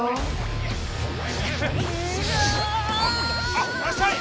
あっいらっしゃい！